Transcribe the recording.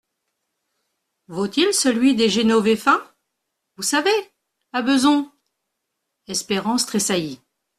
Vaut-il celui des Génovéfains ? Vous savez … à Bezons ? Espérance tressaillit.